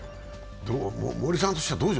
森さんとしてはどう？